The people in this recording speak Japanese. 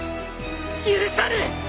許さぬ！